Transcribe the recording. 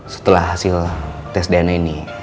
setelah hasil tes dna ini